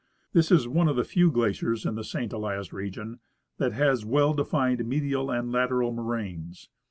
This is one of the few glaciers in the St. Elias region that has well defined medial and lateral moraines.